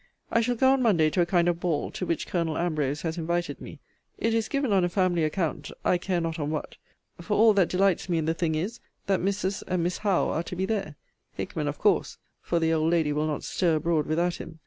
I shall go on Monday to a kind of ball, to which Colonel Ambrose has invited me. It is given on a family account. I care not on what: for all that delights me in the thing is, that Mrs. and Miss Howe are to be there; Hickman, of course; for the old lady will not stir abroad without him.